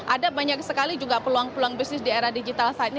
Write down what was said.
ada banyak sekali juga peluang peluang bisnis di era digital saat ini